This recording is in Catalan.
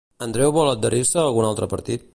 Andreu vol adherir-se a algun altre partit?